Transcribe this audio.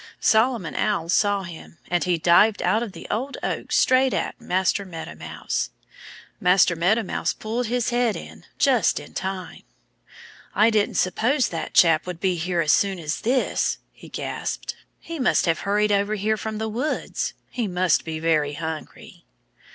Solomon Owl saw him. And he dived out of the old oak straight at Master Meadow Mouse. Master Meadow Mouse pulled his head in just in time. "I didn't suppose that chap would be here as soon as this," he gasped. "He must have hurried over here from the woods. He must be very hungry."